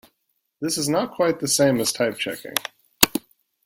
This is not quite the same as type checking.